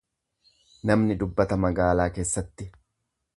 Namni dubbata magaalaa keessatti.